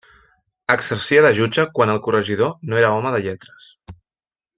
Exercia de jutge quan el corregidor no era home de lletres.